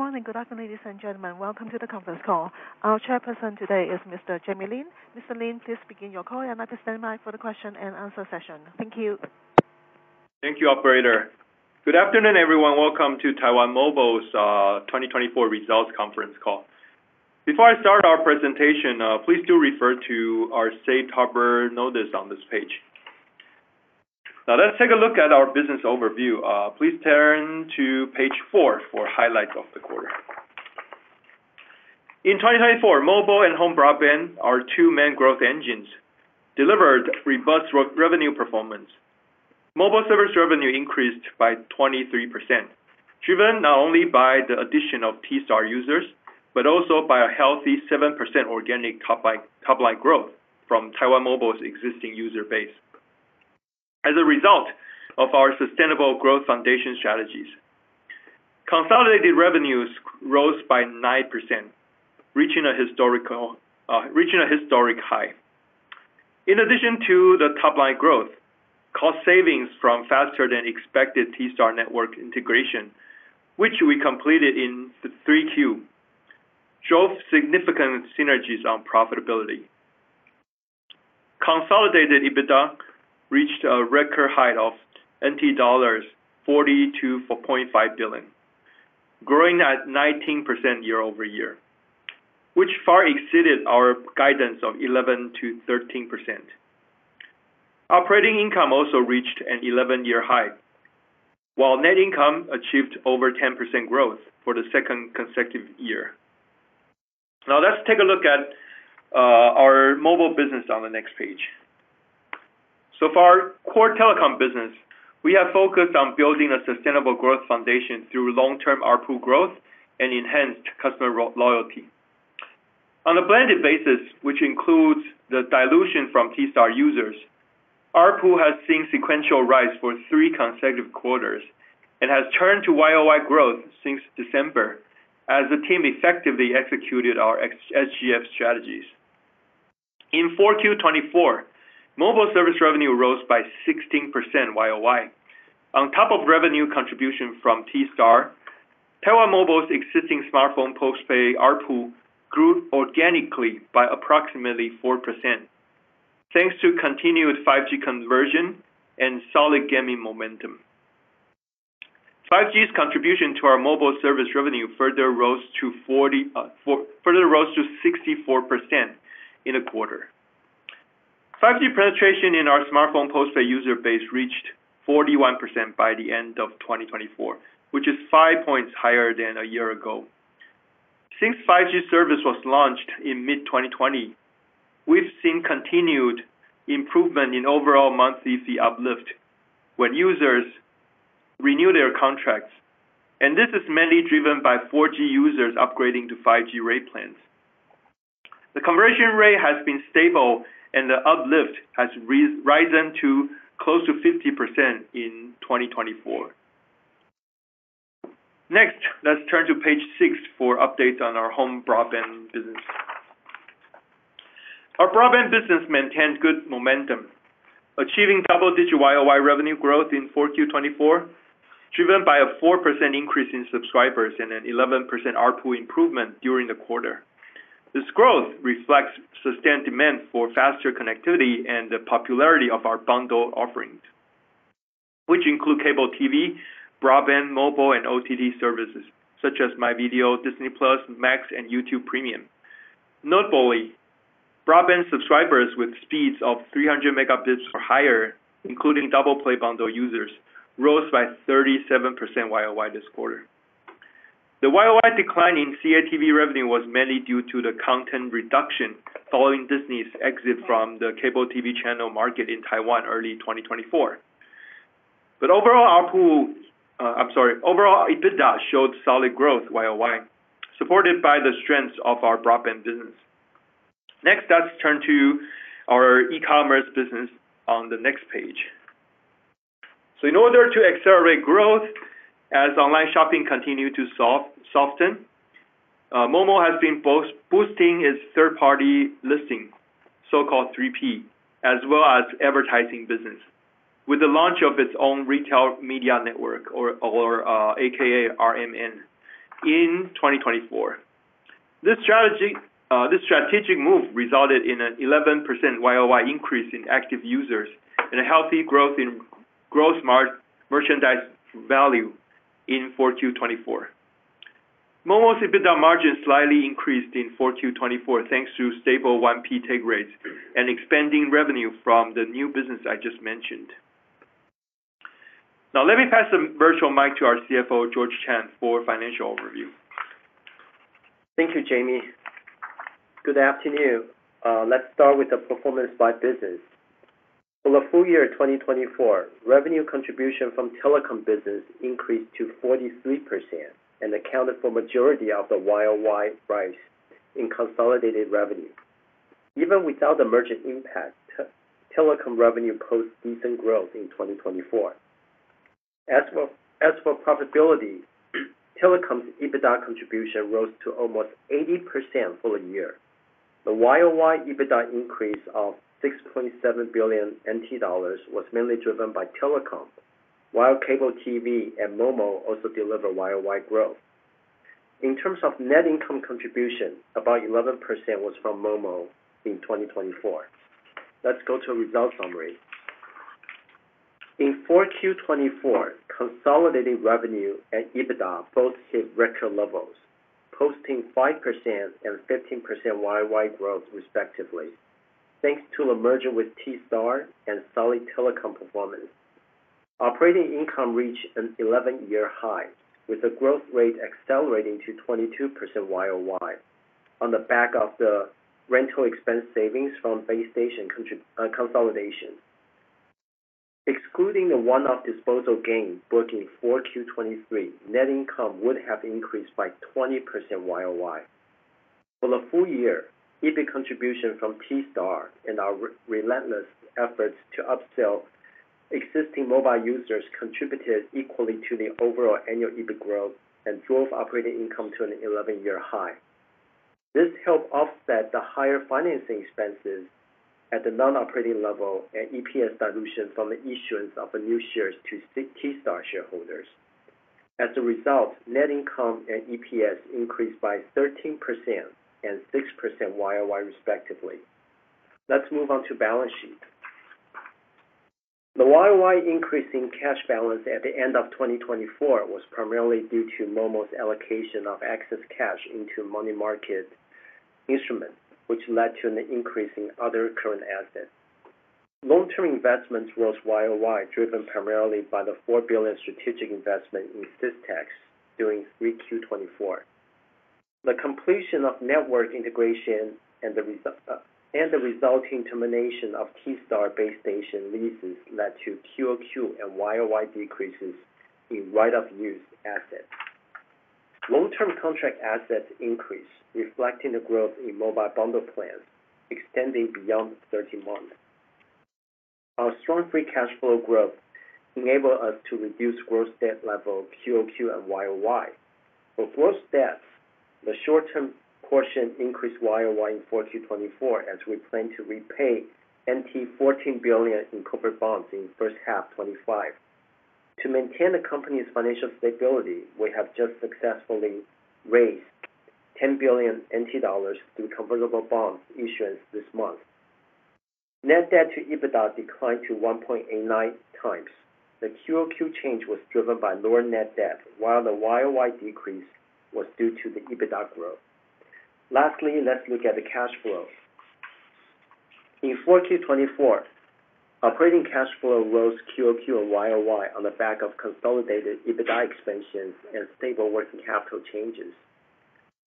Good morning. Good afternoon, ladies and gentlemen. Welcome to the conference call. Our Chairperson today is Mr. Jamie Lin. Mr. Lin, please begin your call and understand my further question and answer session. Thank you. Thank you, Operator. Good afternoon, everyone. Welcome to Taiwan Mobile's 2024 results conference call. Before I start our presentation, please do refer to our safe harbor notice on this page. Now, let's take a look at our business overview. Please turn to page four for highlights of the quarter. In 2024, mobile and home broadband are two main growth engines delivered robust revenue performance. Mobile service revenue increased by 23%, driven not only by the addition of Taiwan Star users but also by a healthy 7% organic top-line growth from Taiwan Mobile's existing user base. As a result of our sustainable growth foundation strategies, consolidated revenues rose by 9%, reaching a historic high. In addition to the top-line growth, cost savings from faster-than-expected Taiwan Star network integration, which we completed in the 3Q, drove significant synergies on profitability. Consolidated EBITDA reached a record high of NT$42.5 billion, growing at 19% year over year, which far exceeded our guidance of 11%-13%. Operating income also reached an 11-year high, while net income achieved over 10% growth for the second consecutive year. Now, let's take a look at our mobile business on the next page. So far, core telecom business, we have focused on building a sustainable growth foundation through long-term ARPU growth and enhanced customer loyalty. On a blended basis, which includes the dilution from Taiwan Star users, ARPU has seen sequential rise for three consecutive quarters and has turned to YOY growth since December as the team effectively executed our SGF strategies. In 4Q24, mobile service revenue rose by 16% YOY. On top of revenue contribution from Taiwan Star, Taiwan Mobile's existing smartphone postpay ARPU grew organically by approximately 4%, thanks to continued 5G conversion and solid gaming momentum. 5G's contribution to our mobile service revenue further rose to 64% in the quarter. 5G penetration in our smartphone postpay user base reached 41% by the end of 2024, which is five points higher than a year ago. Since 5G service was launched in mid-2020, we've seen continued improvement in overall monthly fee uplift when users renew their contracts, and this is mainly driven by 4G users upgrading to 5G rate plans. The conversion rate has been stable, and the uplift has risen to close to 50% in 2024. Next, let's turn to page six for updates on our home broadband business. Our broadband business maintained good momentum, achieving double-digit YOY revenue growth in 4Q24, driven by a 4% increase in subscribers and an 11% ARPU improvement during the quarter. This growth reflects sustained demand for faster connectivity and the popularity of our bundle offerings, which include cable TV, broadband mobile, and OTT services such as MyVideo, Disney+, Max, and YouTube Premium. Notably, broadband subscribers with speeds of 300 megabits or higher, including double-play bundle users, rose by 37% YOY this quarter. The YOY declining CATV revenue was mainly due to the content reduction following Disney's exit from the cable TV channel market in Taiwan early 2024. But overall, ARPU - I'm sorry, overall EBITDA showed solid growth YOY, supported by the strengths of our broadband business. Next, let's turn to our e-commerce business on the next page. So, in order to accelerate growth as online shopping continued to soften, momo has been boosting its third-party listing, so-called 3P, as well as advertising business, with the launch of its own retail media network, or AKA RMN, in 2024. This strategic move resulted in an 11% YOY increase in active users and a healthy growth in gross merchandise value in 4Q24. momo's EBITDA margin slightly increased in 4Q24 thanks to stable 1P take rates and expanding revenue from the new business I just mentioned. Now, let me pass the virtual mic to our CFO, George Chang, for a financial overview. Thank you, Jamie. Good afternoon. Let's start with the performance by business. For the full year 2024, revenue contribution from telecom business increased to 43% and accounted for the majority of the YOY rise in consolidated revenue. Even without the momo impact, telecom revenue posted decent growth in 2024. As for profitability, telecom's EBITDA contribution rose to almost 80% for the year. The YOY EBITDA increase of 6.7 billion NT dollars was mainly driven by telecom, while cable TV and momo also delivered YOY growth. In terms of net income contribution, about 11% was from momo in 2024. Let's go to a result summary. In 4Q24, consolidated revenue and EBITDA both hit record levels, posting 5% and 15% YOY growth, respectively, thanks to the merger with Taiwan Star and solid telecom performance. Operating income reached an 11-year high, with the growth rate accelerating to 22% YOY on the back of the rental expense savings from base station consolidation. Excluding the one-off disposal gain booked in 4Q23, net income would have increased by 20% YOY. For the full year, EBIT contribution from Taiwan Star and our relentless efforts to upsell existing mobile users contributed equally to the overall annual EBIT growth and drove operating income to an 11-year high. This helped offset the higher financing expenses at the non-operating level and EPS dilution from the issuance of new shares to Taiwan Star shareholders. As a result, net income and EPS increased by 13% and 6% YOY, respectively. Let's move on to balance sheet. The YOY increase in cash balance at the end of 2024 was primarily due to Mobile's allocation of excess cash into money market instruments, which led to an increase in other current assets. Long-term investments rose YOY, driven primarily by the 4 billion strategic investment in Systex during 3Q24. The completion of network integration and the resulting termination of Taiwan Star base station leases led to QOQ and YOY decreases in right-of-use assets. Long-term contract assets increased, reflecting the growth in mobile bundle plans extending beyond 30 months. Our strong free cash flow growth enabled us to reduce gross debt level QOQ and YOY. For gross debt, the short-term portion increased YOY in 4Q24 as we plan to repay 14 billion in corporate bonds in the first half of 2025. To maintain the company's financial stability, we have just successfully raised 10 billion NT dollars through convertible bonds issuance this month. Net debt to EBITDA declined to 1.89 times. The QOQ change was driven by lower net debt, while the YOY decrease was due to the EBITDA growth. Lastly, let's look at the cash flow. In 4Q24, operating cash flow rose QOQ and YOY on the back of consolidated EBITDA expansions and stable working capital changes.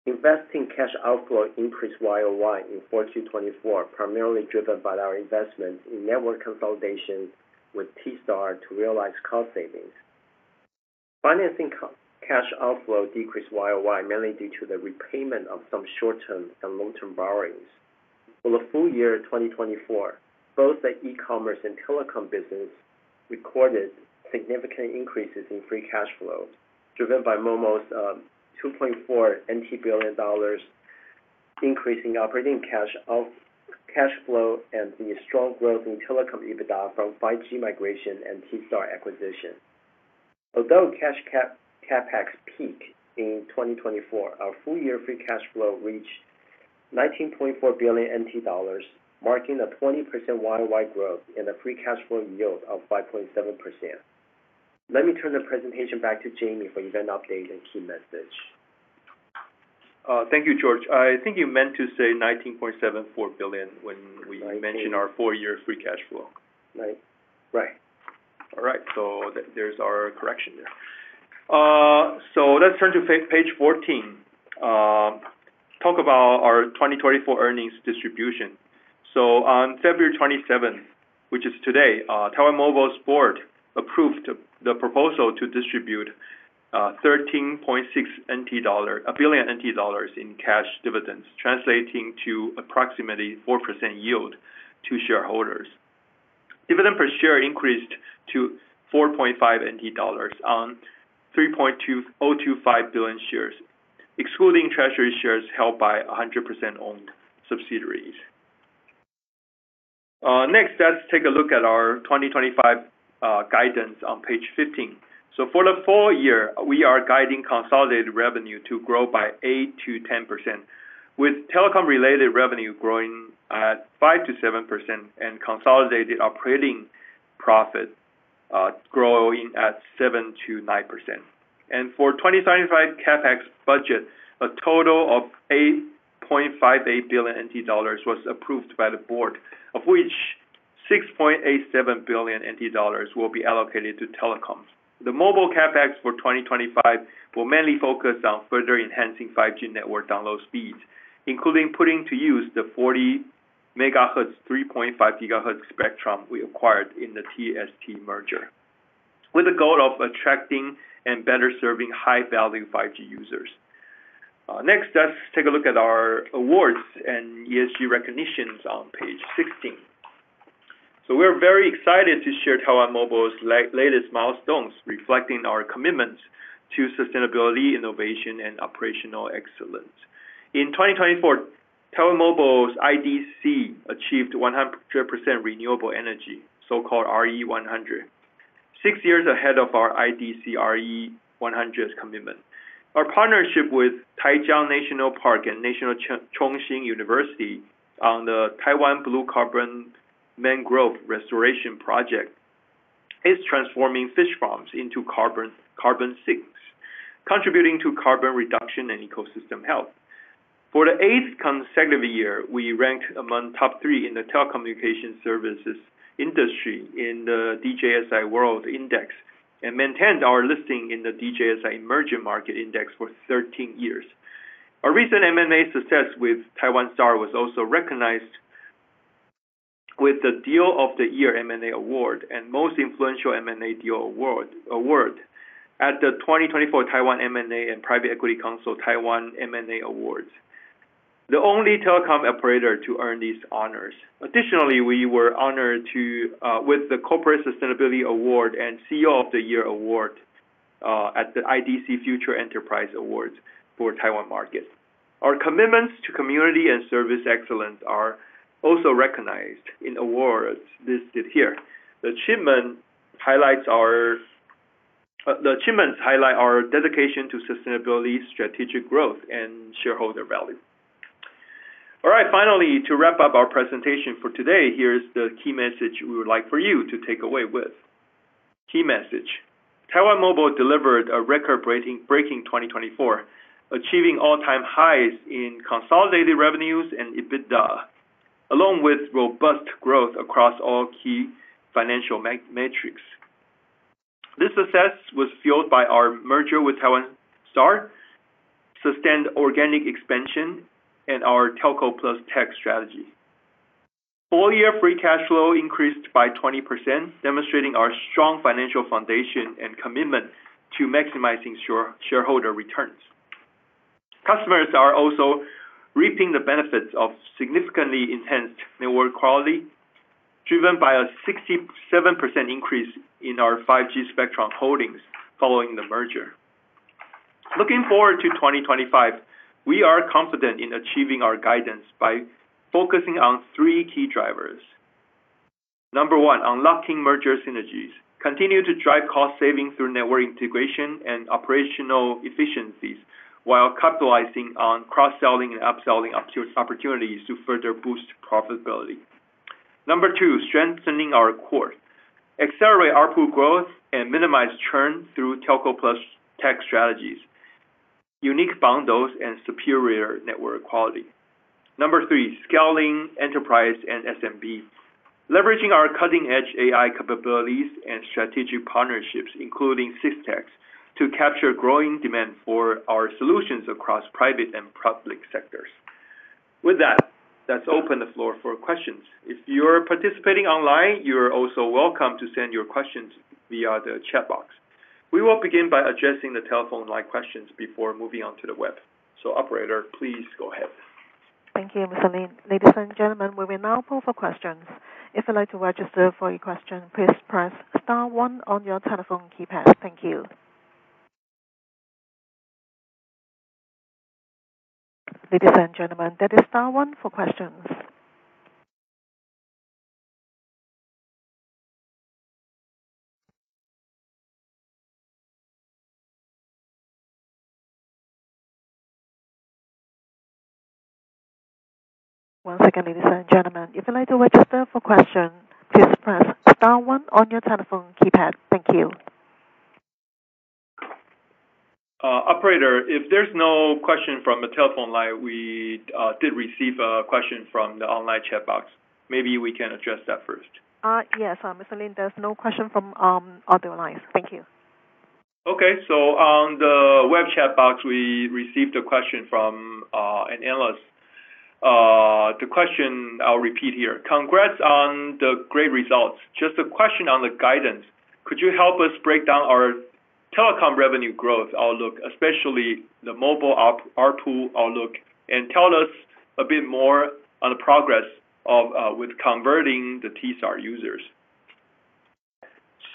Investing cash outflow increased YOY in 4Q24, primarily driven by our investment in network consolidation with Taiwan Star to realize cost savings. Financing cash outflow decreased YOY mainly due to the repayment of some short-term and long-term borrowings. For the full year 2024, both the e-commerce and telecom business recorded significant increases in free cash flow, driven by Mobile's 2.4 billion dollars increase in operating cash flow and the strong growth in telecom EBITDA from 5G migration and Taiwan Star acquisition. Although cash CapEx peaked in 2024, our full year free cash flow reached 19.4 billion NT dollars, marking a 20% YOY growth and a free cash flow yield of 5.7%. Let me turn the presentation back to Jamie for event update and key message. Thank you, George. I think you meant to say 19.74 billion when we mentioned our four-year free cash flow. Right. Right. All right. So there's our correction there. So let's turn to page 14. Talk about our 2024 earnings distribution. So on February 27, which is today, Taiwan Mobile's board approved the proposal to distribute 13.6 billion NT dollar in cash dividends, translating to approximately 4% yield to shareholders. Dividend per share increased to 4.5 NT dollars on 3.025 billion shares, excluding treasury shares held by 100% owned subsidiaries. Next, let's take a look at our 2025 guidance on page 15. So for the full year, we are guiding consolidated revenue to grow by 8%-10%, with telecom-related revenue growing at 5%-7% and consolidated operating profit growing at 7%-9%. And for 2025 CapEx budget, a total of 8.58 billion NT dollars was approved by the board, of which 6.87 billion NT dollars will be allocated to telecoms. The mobile CapEx for 2025 will mainly focus on further enhancing 5G network download speeds, including putting to use the 40 megahertz 3.5 gigahertz spectrum we acquired in the TST merger, with the goal of attracting and better serving high-value 5G users. Next, let's take a look at our awards and ESG recognitions on page 16. So we're very excited to share Taiwan Mobile's latest milestones, reflecting our commitments to sustainability, innovation, and operational excellence. In 2024, Taiwan Mobile's IDC achieved 100% renewable energy, so-called RE100, six years ahead of our IDC RE100 commitment. Our partnership with Taijiang National Park and National Cheng Kung University on the Taiwan Blue Carbon Mangrove Restoration Project is transforming fish farms into carbon sinks, contributing to carbon reduction and ecosystem health. For the eighth consecutive year, we ranked among top three in the telecommunication services industry in the DJSI World Index and maintained our listing in the DJSI Emerging Markets Index for 13 years. Our recent M&A success with Taiwan Star was also recognized with the Deal of the Year M&A Award and Most Influential M&A Deal Award at the 2024 Taiwan M&A and Private Equity Council Taiwan M&A Awards, the only telecom operator to earn these honors. Additionally, we were honored with the Corporate Sustainability Award and CEO of the Year Award at the IDC Future Enterprise Awards for Taiwan Market. Our commitments to community and service excellence are also recognized in awards listed here. The achievements highlight our dedication to sustainability, strategic growth, and shareholder value. All right, finally, to wrap up our presentation for today, here's the key message we would like for you to take away with. Key message: Taiwan Mobile delivered a record-breaking 2024, achieving all-time highs in consolidated revenues and EBITDA, along with robust growth across all key financial metrics. This success was fueled by our merger with Taiwan Star, sustained organic expansion, and our Telco+Tech strategy. Full-year free cash flow increased by 20%, demonstrating our strong financial foundation and commitment to maximizing shareholder returns. Customers are also reaping the benefits of significantly enhanced network quality, driven by a 67% increase in our 5G spectrum holdings following the merger. Looking forward to 2025, we are confident in achieving our guidance by focusing on three key drivers. Number one, unlocking merger synergies. Continue to drive cost savings through network integration and operational efficiencies while capitalizing on cross-selling and upselling opportunities to further boost profitability. Number two, strengthening our core. Accelerate ARPU growth and minimize churn through Telco+tech strategies, unique bundles, and superior network quality. Number three, scaling enterprise and SMB. Leveraging our cutting-edge AI capabilities and strategic partnerships, including Systex, to capture growing demand for our solutions across private and public sectors. With that, let's open the floor for questions. If you're participating online, you're also welcome to send your questions via the chat box. We will begin by addressing the telephone line questions before moving on to the web. So, operator, please go ahead. Thank you, Mr. Lin. Ladies and gentlemen, we will now poll for questions. If you'd like to register for your question, please press star one on your telephone keypad. Thank you. Ladies and gentlemen, that is star one for questions. Once again, ladies and gentlemen, if you'd like to register for questions, please press star one on your telephone keypad. Thank you. Operator, if there's no question from the telephone line, we did receive a question from the online chat box. Maybe we can address that first. Yes, Mr. Lin, there's no question from other lines. Thank you. Okay. So on the web chat box, we received a question from an analyst. The question, I'll repeat here. Congrats on the great results. Just a question on the guidance. Could you help us break down our telecom revenue growth outlook, especially the mobile ARPU outlook, and tell us a bit more on the progress with converting the Taiwan Star users?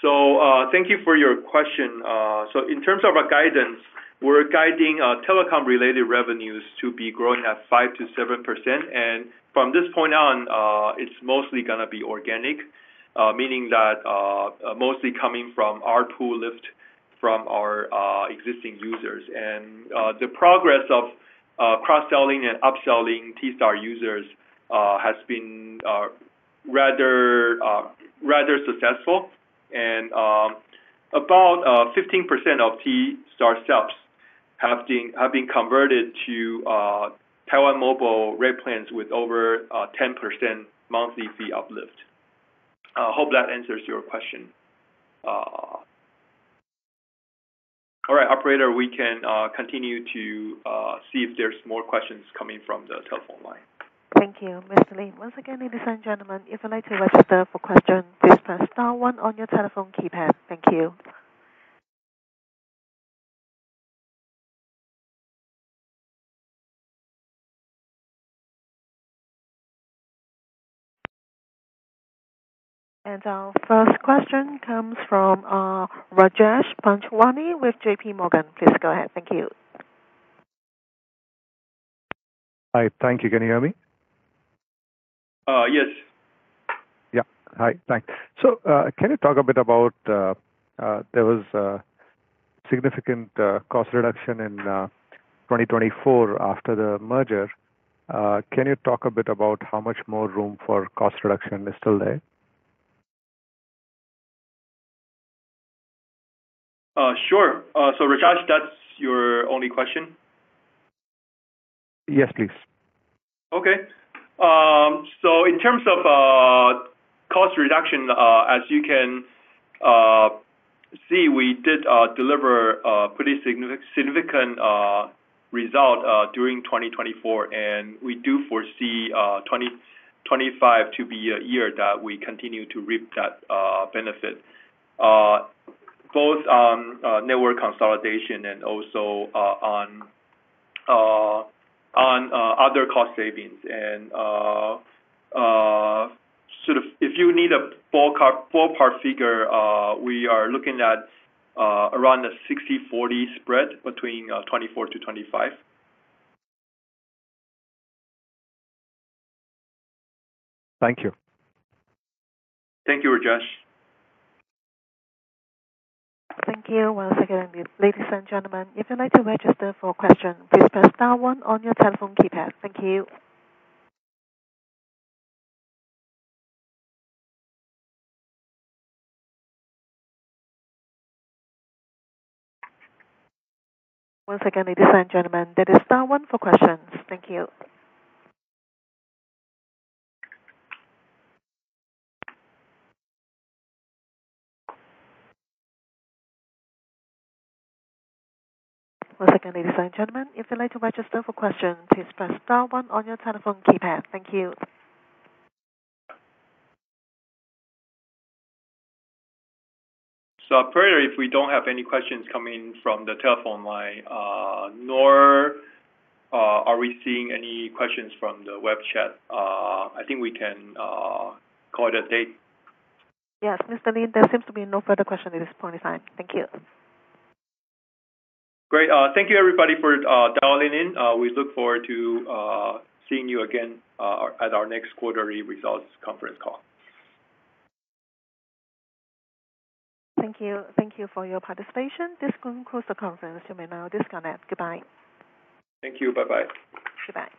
So thank you for your question. So in terms of our guidance, we're guiding telecom-related revenues to be growing at 5%-7%. And from this point on, it's mostly going to be organic, meaning that mostly coming from ARPU lift from our existing users. And the progress of cross-selling and upselling Taiwan Star users has been rather successful. And about 15% of Taiwan Star subs have been converted to Taiwan Mobile rate plans with over 10% monthly fee uplift. I hope that answers your question. All right, operator, we can continue to see if there's more questions coming from the telephone line. Thank you. Mr. Lin, once again, ladies and gentlemen, if you'd like to register for questions, please press star one on your telephone keypad. Thank you. And our first question comes from Rajesh Panjwani with J.P. Morgan. Please go ahead. Thank you. Hi, thank you. Can you hear me? Yes. Yeah. Hi. Thanks. So can you talk a bit about there was significant cost reduction in 2024 after the merger? Can you talk a bit about how much more room for cost reduction is still there? Sure. So, Rajesh, that's your only question? Yes, please. Okay. So in terms of cost reduction, as you can see, we did deliver a pretty significant result during 2024, and we do foresee 2025 to be a year that we continue to reap that benefit, both on network consolidation and also on other cost savings. And sort of if you need a ballpark figure, we are looking at around a 60/40 spread between 24 to 25. Thank you. Thank you, Rajesh. Thank you. Once again, ladies and gentlemen, if you'd like to register for questions, please press star one on your telephone keypad. Thank you. Once again, ladies and gentlemen, that is star one for questions. Thank you. Once again, ladies and gentlemen, if you'd like to register for questions, please press star one on your telephone keypad. Thank you. So, operator, if we don't have any questions coming from the telephone line, nor are we seeing any questions from the web chat, I think we can call it a day. Yes, Mr. Lin, there seems to be no further question at this point in time. Thank you. Great. Thank you, everybody, for dialing in. We look forward to seeing you again at our next quarterly results conference call. Thank you. Thank you for your participation. This concludes the conference. You may now disconnect. Goodbye. Thank you. Bye-bye. Goodbye.